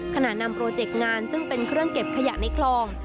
นำโปรเจกต์งานซึ่งเป็นเครื่องเก็บขยะในคลอง